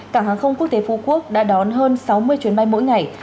cảng hàng không quốc tế phú quốc đã đón hơn sáu mươi chuyến bay mỗi ngày